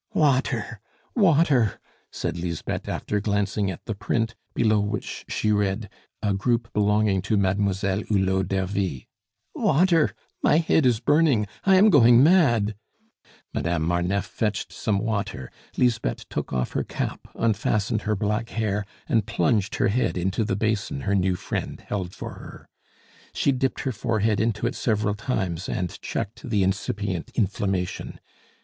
"Water! water!" said Lisbeth, after glancing at the print, below which she read, "A group belonging to Mademoiselle Hulot d'Ervy." "Water! my head is burning, I am going mad!" Madame Marneffe fetched some water. Lisbeth took off her cap, unfastened her black hair, and plunged her head into the basin her new friend held for her. She dipped her forehead into it several times, and checked the incipient inflammation.